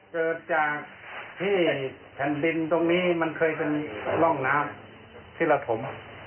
เกิดจากที่แผ่นดินตรงนี้มันเคยเป็นร่องน้ำที่ระถม